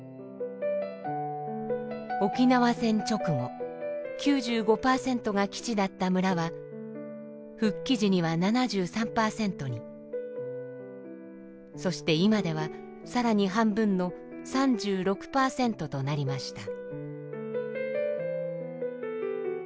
沖縄戦直後９５％が基地だった村は復帰時には７３％にそして今では更に半分の３６％となりました。